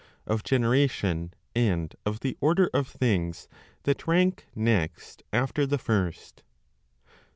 Of Generation, and of the Order of things that Rank Next After the First.